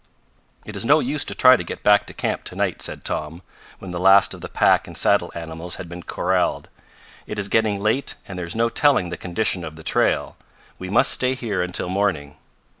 "It is no use to try to get back to camp tonight," said Tom, when the last of the pack and saddle animals had been corralled. "It is getting late and there is no telling the condition of the trail. We must stay here until morning."